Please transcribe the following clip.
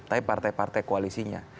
tapi partai partai koalisinya